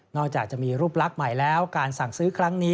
จากจะมีรูปลักษณ์ใหม่แล้วการสั่งซื้อครั้งนี้